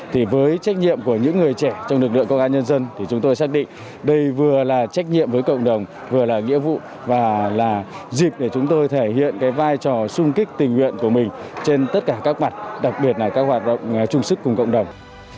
thì với trách nhiệm của những người trẻ trong lực lượng công an nhân dân thì chúng tôi xác định đây vừa là trách nhiệm với cộng đồng vừa là nghĩa vụ và là dịp để chúng tôi thể hiện cái vai trò sung kích tình nguyện của mình trên tất cả các mặt đặc biệt là các hoạt động chung sức cùng cộng đồng